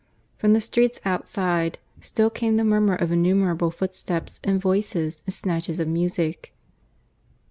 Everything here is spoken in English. From the streets outside still came the murmur of innumerable footsteps and voices and snatches of music.